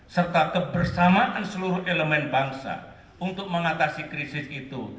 serta kebersamaan seluruh elemen bangsa untuk mengatasi krisis itu